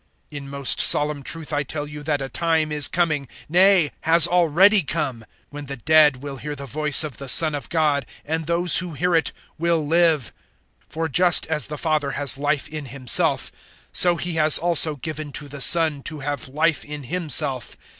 005:025 "In most solemn truth I tell you that a time is coming nay, has already come when the dead will hear the voice of the Son of God, and those who hear it will live. 005:026 For just as the Father has life in Himself, so He has also given to the Son to have life in Himself.